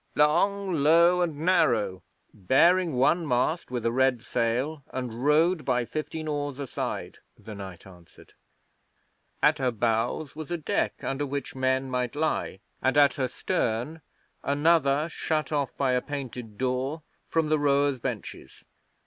'Long, low, and narrow, bearing one mast with a red sail, and rowed by fifteen oars a side,' the knight answered. 'At her bows was a deck under which men might lie, and at her stern another shut off by a painted door from the rowers' benches.